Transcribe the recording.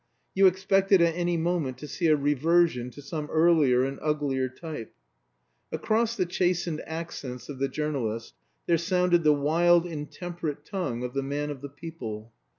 You expected at any moment to see a reversion to some earlier and uglier type. Across the chastened accents of the journalist there sounded the wild intemperate tongue of the man of the people.